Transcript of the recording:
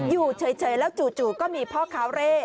อยู่เฉยแล้วจู่ก็มีพ่อคาเร่